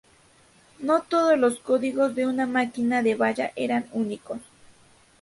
No todos los códigos de una máquina de batalla eran únicos.